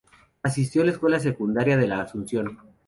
Asistió a la escuela secundaria de La Asunción.